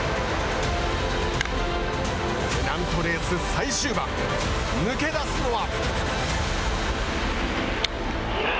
ペナントレース最終盤抜け出すのは。